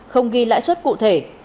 không ghi lãi suất cụ thể